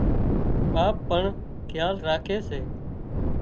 ٻاپ پڻ کيال راکي سي